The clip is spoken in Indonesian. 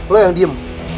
lu yang diem